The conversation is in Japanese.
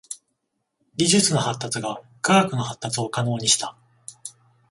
技術の発達が科学の発達を可能にした。